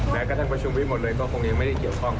แม้กระทั่งประชุมไว้หมดเลยก็คงยังไม่ได้เกี่ยวข้อง